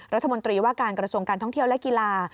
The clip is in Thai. รัฐมนตรีว่าการกระทรวงการท่องเที่ยวและกีฬา